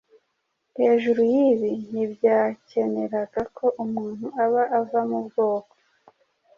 Hejuru y’ibi ntibyakeneraga ko umuntu aba ava mu bwoko